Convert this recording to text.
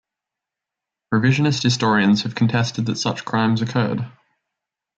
Revisionist historians have contested that such crimes occurred.